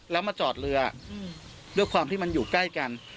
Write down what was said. แล้วมาจอดเรือด้วยความที่มันอยู่ใกล้กัน